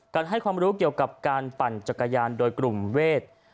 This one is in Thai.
ให้ความรู้เกี่ยวกับการปั่นจักรยานโดยกลุ่มเวท